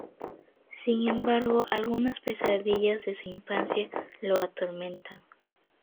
Sin embargo, algunas pesadillas de su infancia lo atormentan.